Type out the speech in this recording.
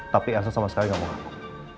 tapi elsa sama sekali gak mau ngaku